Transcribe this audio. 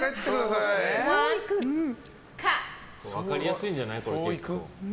分かりやすいんじゃない？